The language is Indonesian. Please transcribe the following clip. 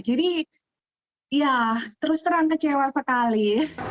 jadi ya terus terang kecewa sekali